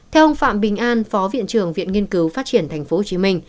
theo ông phạm bình an phó viện trưởng viện nghiên cứu phát triển tp hcm